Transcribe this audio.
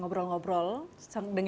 tapi kita juga berhak untuk indians